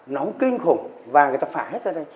nóng kinh khủng và người ta phạ hết ra đây